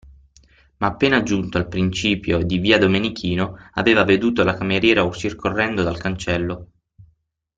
Ma appena giunto al principio di via Domenichino, aveva veduto la cameriera uscir correndo dal cancello.